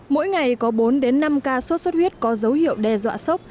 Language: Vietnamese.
mỗi ngày có bốn đến năm ca sốt xuất huyết có dấu hiệu đe dọa sốc